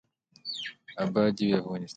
اباد دې وي افغانستان.